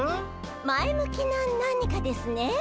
前向きな何かですね。